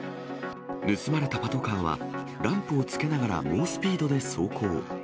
盗まれたパトカーは、ランプをつけながら猛スピードで走行。